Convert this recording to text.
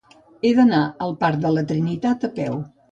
He d'anar al parc de la Trinitat a peu.